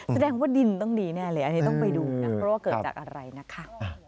แสดงว่าดินต้องดีแน่เลยอันนี้ต้องไปดูนะเพราะว่าเกิดจากอะไรนะคะ